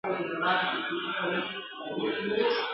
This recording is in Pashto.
زما سره به څرنګه سیالي کوې رقیبه ..